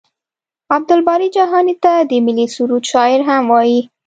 عبدالباري جهاني ته د ملي سرود شاعر هم وايي.